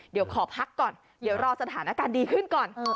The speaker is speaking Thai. เดี๋ยวขอพักก่อนเดี๋ยวรอสถานการณ์ดีขึ้นก่อน